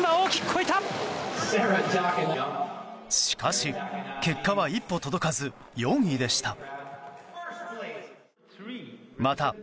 しかし、結果は一歩届かず４位でした。